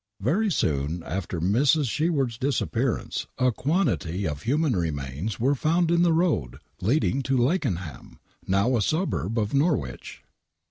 Very soon after Mrs. Sheward's disappearance a quantity of human remains were found in a road leading to Lakenham,, now a suburb of Norwich.